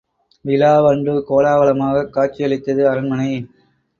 விழாவன்று கோலாகலமாகக் காட்சியளித்தது அரண்மனை.